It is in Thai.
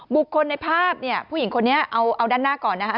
บุคคลในภาพเนี่ยผู้หญิงคนนี้เอาด้านหน้าก่อนนะคะ